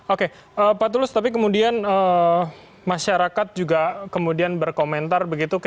oke pak tulus tapi kemudian masyarakat juga kemudian berkomentar begitu